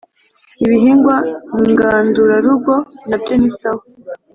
ibihingwa ngandurarugo nabyo nisawa